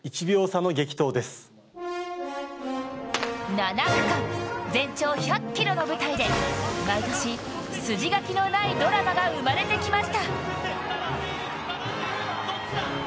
７区間、全長１００ｋｍの舞台で毎年筋書きのないドラマが生まれてきました。